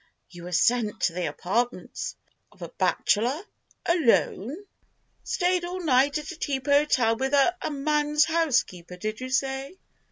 "You were sent to the apartments of a bachelor—alone!" "Stayed all night at a cheap hotel with a—a man's housekeeper, did you say?"